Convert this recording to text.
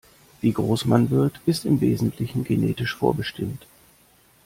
Wie groß man wird, ist im Wesentlichen genetisch vorbestimmt.